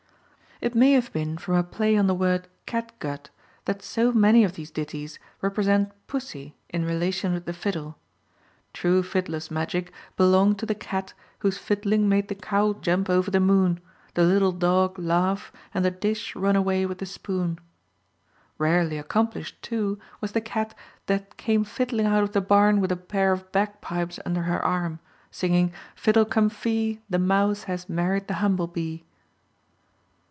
It may have been from a play on the word catgut that so many of these ditties represent pussy in relation with the fiddle. True fiddler's magic belonged to the cat whose fiddling made the cow jump over the moon, the little dog laugh and the dish run away with the spoon. Rarely accomplished too was the cat that came fiddling out of the barn with a pair of bagpipes under her arm, singing "Fiddle cum fee, the mouse has married the humble bee."